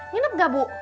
nginep gak bu